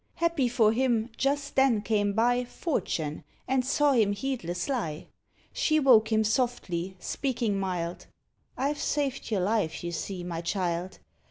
Happy for him, just then came by Fortune, and saw him heedless lie. She woke him softly, speaking mild: "I've saved your life, you see, my child.